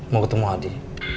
mau ketemu adi